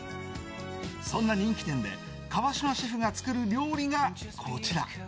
そんな人気店で川島シェフが作る料理がこちら。